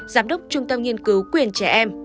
giám đốc trung tâm nghiên cứu quyền trẻ em